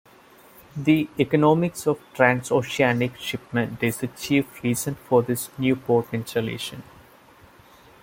The economics of trans-oceanic shipment is the chief reason for this new port installation.